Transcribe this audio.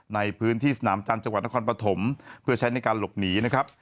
ในพื้นที่สนามจันทร์จังหวัดนครปฐมเพื่อใช้ในการหลบหนีนะครับ